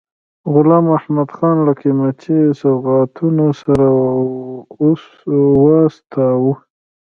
غلام محمدخان له قیمتي سوغاتونو سره واستاوه.